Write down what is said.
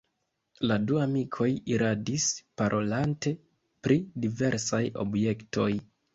La du amikoj iradis, parolante pri diversaj objektoj.